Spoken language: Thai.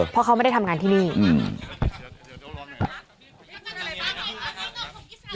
เพราะเขาไม่ได้ทำงานที่นี่